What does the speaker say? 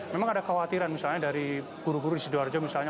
memang ada khawatiran misalnya dari guru guru di sidoarjo misalnya